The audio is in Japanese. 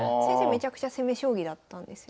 めちゃくちゃ攻め将棋だったんですよね